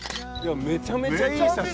めちゃめちゃいい！